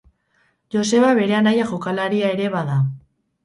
Joseba bere anaia jokalaria ere bada.